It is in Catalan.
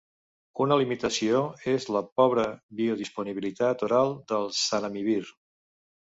Una limitació és la pobra biodisponibilitat oral del zanamivir.